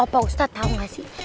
apa ustadz tau gak sih